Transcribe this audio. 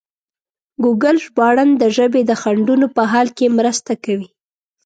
ګوګل ژباړن د ژبې د خنډونو په حل کې مرسته کوي.